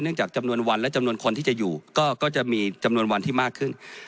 จากจำนวนวันและจำนวนคนที่จะอยู่ก็จะมีจำนวนวันที่มากขึ้น